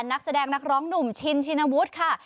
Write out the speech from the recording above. นักแสดงนักร้องหนุ่มชินชินวุฒิค่ะ